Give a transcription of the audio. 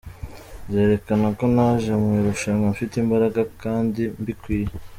Nzerekana ko naje mu irushanwa mfite imbaraga kandi mbikwiye.